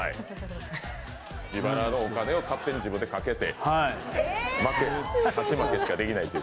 自腹のお金を勝手に自分でかけて勝ち負けしかできないという。